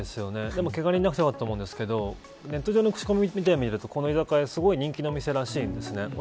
でも、けが人なくてよかったと思うんですけどネット上の口コミを見てみるとこの居酒屋はすごい人気の店らしいんです。